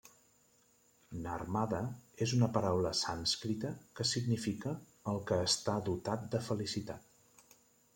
Narmada és una paraula sànscrita que significa 'el que està dotat de felicitat'.